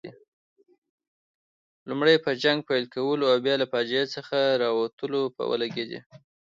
لومړی په جنګ پیل کولو او بیا له فاجعې څخه په راوتلو ولګېدې.